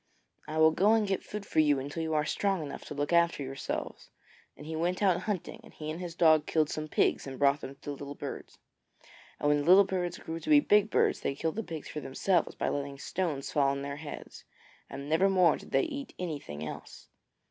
I will go and get food for you until you are strong enough to look after yourselves,' and he went out hunting, and he and his dog killed some pigs and brought them to the little birds. And when the little birds grew to be big birds, they killed the pigs for themselves by letting stones fall on their heads, and never more did they eat anything else.